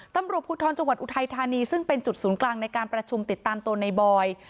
ตำรวจภูทรจังหวัดอุทัยธานีซึ่งเป็นจุดศูนย์กลางในการประชุมติดตามตัวในบอย